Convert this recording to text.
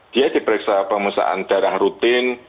dia diperiksa pemusaan darah rutin